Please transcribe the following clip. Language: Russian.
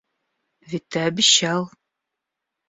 Ведь ты обещал.